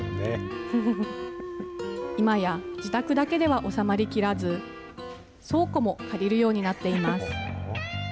いまや自宅だけでは収まりきらず、倉庫も借りるようになっています。